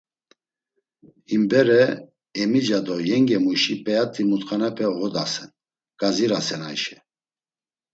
Him bere emica do yengemuşi p̌eat̆i mutxanepe oğodasen, gazirasen Ayşe!